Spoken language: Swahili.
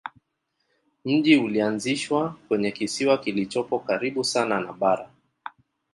Mji ulianzishwa kwenye kisiwa kilichopo karibu sana na bara.